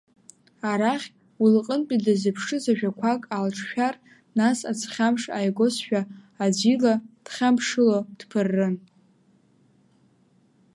Арахь уи лҟынтәи дыззыԥшыз ажәақәак аалҿшәар, нас аӡхьамԥш ааигозшәа, аӡә ила дхымԥшыло дԥыррын.